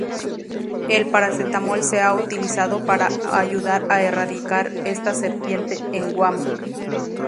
El paracetamol se ha utilizado para ayudar a erradicar esta serpiente en Guam.